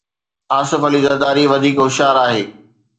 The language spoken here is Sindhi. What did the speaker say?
آصف علي زرداري وڌيڪ هوشيار آهي.